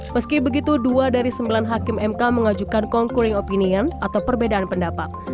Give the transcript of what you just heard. meski begitu dua dari sembilan hakim mk mengajukan congkuring opinion atau perbedaan pendapat